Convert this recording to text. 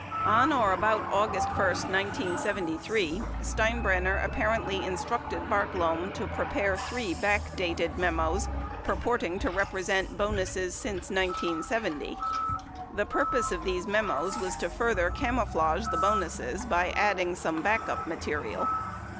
On or about August 1, 1973, Steinbrenner apparently instructed Bartlome to prepare three backdated memos purporting to represent bonuses since 1970. The purpose of these memos was to further camou flage the bonuses by adding some backup material.